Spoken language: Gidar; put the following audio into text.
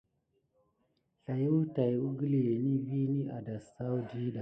Slaywa tät wukiləŋe vini a dasaku ɗiɗa.